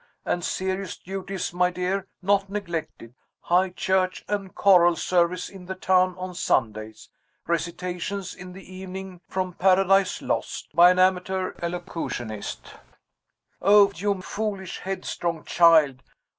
and serious duties, my dear, not neglected high church and choral service in the town on Sundays recitations in the evening from Paradise Lost, by an amateur elocutionist oh, you foolish, headstrong child!